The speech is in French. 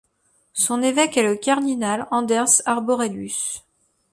Son évêque est le cardinal Anders Arborelius.